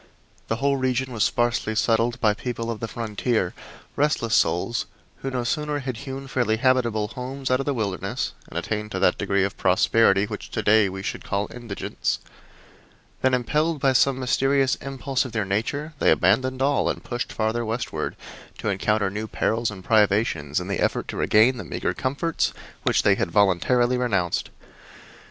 The whole region was sparsely settled by people of the frontier restless souls who no sooner had hewn fairly habitable homes out of the wilderness and attained to that degree of prosperity which to day we should call indigence than impelled by some mysterious impulse of their nature they abandoned all and pushed farther westward, to encounter new perils and privations in the effort to regain the meagre comforts which they had voluntarily renounced.